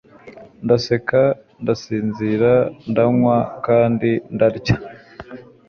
Ndaseka ndasinzira ndanywa kandi ndarya